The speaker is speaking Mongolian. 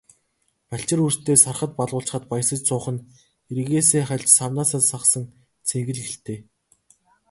Балчир үрстээ сархад балгуулчхаад баясаж суух нь эргээсээ хальж, савнаасаа сагасан цэнгэл гэлтэй.